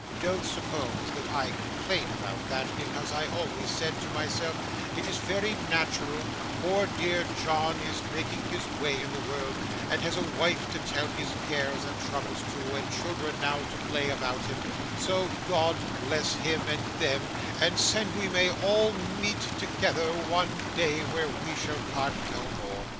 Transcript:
Don't suppose that I complain about that, because I always said to myself, "It is very natural; poor dear John is making his way in the world, and has a wife to tell his cares and troubles to, and children now to play about him, so God bless him and them, and send we may all meet together one day where we shall part no more."